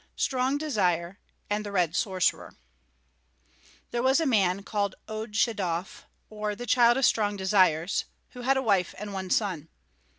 STRONG DESIRE AND THE RED SORCERER |THERE was a man called Odshedoph, or the Child of Strong Desires, who had a wife and one son.